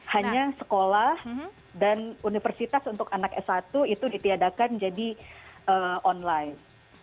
hanya sekolah dan universitas untuk anak s satu itu ditiadakan jadi online